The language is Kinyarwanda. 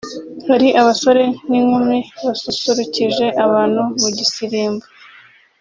hari abasore n'inkumi basusurukije abantu mu gisirimba